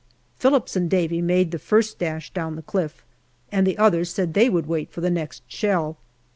Phillips and Davy made the first dash down the cliff, and the others said they would wait for the next shell.